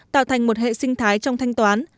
tạo thành một hệ sinh thái trong thanh toán